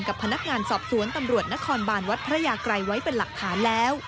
กับพนักงานสอบสวนตำรวจนครบานวัดพระยากรัยไว้เป็นหลักฐานแล้ว